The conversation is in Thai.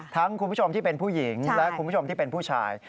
คุณผู้ชมที่เป็นผู้หญิงและคุณผู้ชมที่เป็นผู้ชาย